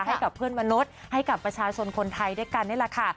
ให้กับเพื่อนมนุษย์ให้กับประชาชนคนไทยด้วยกันนี่แหละค่ะ